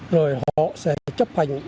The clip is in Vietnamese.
rồi họ sẽ chấp hành